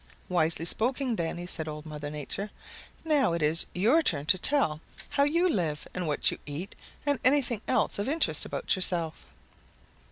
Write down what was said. "Wisely spoken, Danny," said Old Mother Nature. "Now it is your turn to tell how you live and what you eat and anything else of interest about yourself."